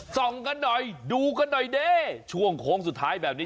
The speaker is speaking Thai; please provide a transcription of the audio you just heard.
ส่องกันหน่อยดูกันหน่อยเด้ช่วงโค้งสุดท้ายแบบนี้